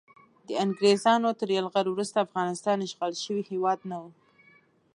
د انګریزانو تر یرغل وروسته افغانستان اشغال شوی هیواد نه و.